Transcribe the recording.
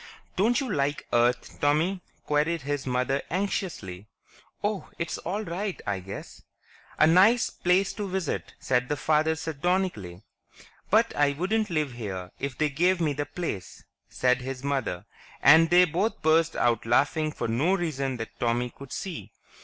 "Don't you like Earth, Tommy?" queried his mother anxiously. "Oh ... it's all right, I guess." "... 'A nice place to visit' ..." said his father sardonically. "... 'but I wouldn't live here if they gave me the place!' ..." said his mother, and they both burst out laughing for no reason that Tommy could see.